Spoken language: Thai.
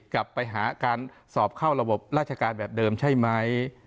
กลับไปหาการสอบเข้าระบบราชการแบบเดิมใช่ไหม